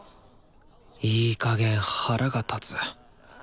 いいかげん腹が立つ。